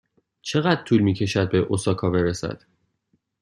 چقدر طول می کشد به اوساکا برسد؟